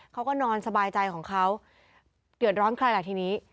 เขาก็นอนสบายใจของเขาเดือดร้อนใครล่ะทีนี้